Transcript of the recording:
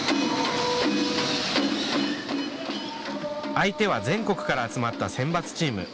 相手は全国から集まった選抜チーム。